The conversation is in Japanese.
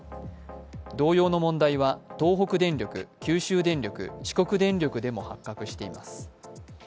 同様の問題は東北電力九州電力、四国電力でも発覚しています。